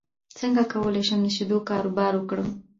څنګه کولی شم د شیدو کاروبار وکړم